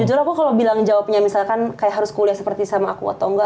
jadi itu aku kalau bilang jawabnya misalkan kayak harus kuliah seperti sama aku atau enggak